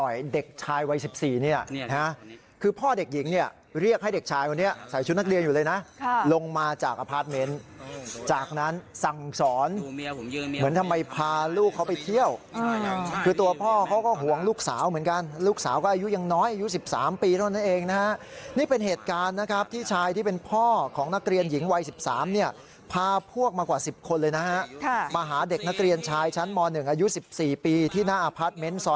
อยู่เลยนะลงมาจากอาพาทเม้นจากนั้นสั่งสอนเหมือนทำไมพาลูกเขาไปเที่ยวคือตัวพ่อเขาก็หวังลูกสาวเหมือนกันลูกสาวก็อายุยังน้อยอายุ๑๓ปีเท่านั้นเองนะฮะนี่เป็นเหตุการณ์นะครับที่ชายที่เป็นพ่อของนักเรียนหญิงวัย๑๓เนี่ยพาพวกมากว่า๑๐คนเลยนะฮะมาหาเด็กนักเรียนชายชั้นม๑อายุ๑๔ปีที่หน้าอาพาทเม้น